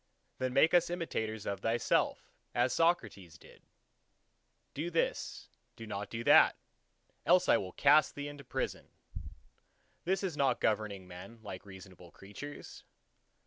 ... then make us imitators of thyself, as Socrates did. Do this, do not do that, else will I cast thee into prison: this is not governing men like reasonable creatures.